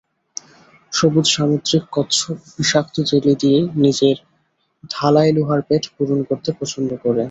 সবুজ সামুদ্রিক কচ্ছপ বিষাক্ত জেলি দিয়ে নিজের ঢালাই-লোহার পেট পূরণ করতে পছন্দ করে।